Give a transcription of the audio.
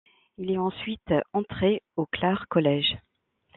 Il est ensuite entré au Clare College.